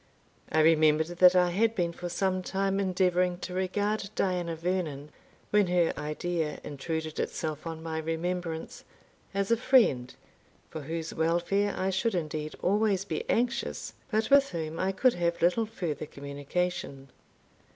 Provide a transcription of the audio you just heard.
I remembered that I had been for some time endeavouring to regard Diana Vernon, when her idea intruded itself on my remembrance, as a friend, for whose welfare I should indeed always be anxious, but with whom I could have little further communication.